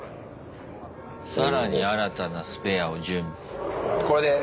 更に新たなスペアを準備。